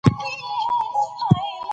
ژبني اختلافات باید حل سي.